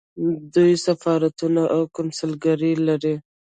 دوی سفارتونه او کونسلګرۍ لري.